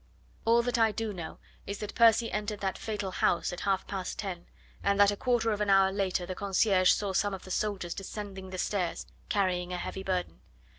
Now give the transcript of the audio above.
All that I do know is that Percy entered that fatal house at half past ten, and that a quarter of an hour later the concierge saw some of the soldiers descending the stairs, carrying a heavy burden.